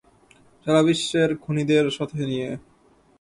সারাবিশ্বের খুনিদের সাথে নিয়ে।